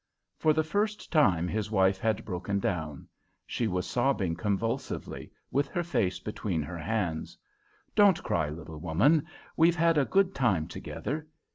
For the first time his wife had broken down. She was sobbing convulsively, with her face between her hands. "Don't cry, little woman! We've had a good time together.